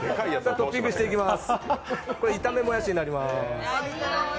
トッピングしていきます。